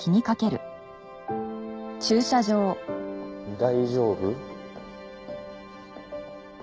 大丈夫？